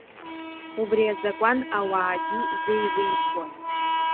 Убри азакәын ауаагьы зеилимхуаз…